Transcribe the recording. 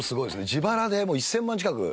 自腹でもう１０００万近くねえ？